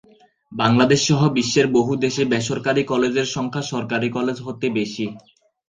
বাংলাদেশ সহ বিশ্বের বহু দেশে বেসরকারি কলেজের সংখ্যা সরকারি কলেজ হতে বেশি।